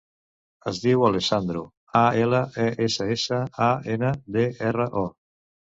Es diu Alessandro: a, ela, e, essa, essa, a, ena, de, erra, o.